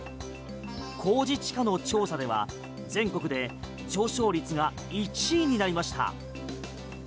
公示地価の調査では全国で上昇率が１位になりました。